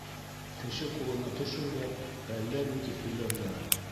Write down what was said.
Кеше ҡулына төшөр ҙә, әллә ни тип һөйләрҙәр.